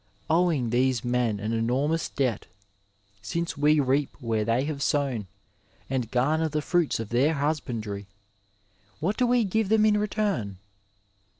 Owing these men an enormous debt, since we reap where they have sown, and gamer the fruits of their husbandry, what do we give them in return